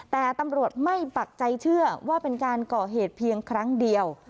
แต่ตำรวจไม่ปักใจเชื่อว่าเป็นการก่อเหตุเพียงครั้งเดียว